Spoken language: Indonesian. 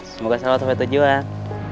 semoga selamat sampai tujuan